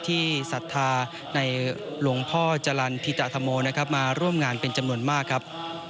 ที่ศัฒนาในหลวงพ่อจรรย์ธิจาธรรมมาร่วมงานเป็นจำนวนมากครับ